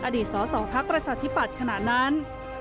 อดีตสศพรรษฐิบัตรขณะนั้น